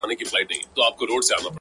• مگر گوره یولوی ځوز دی زما په پښه کی ,